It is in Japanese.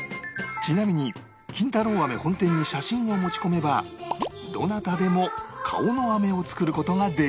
ちなみに金太郎飴本店に写真を持ち込めばどなたでも顔の飴を作る事ができる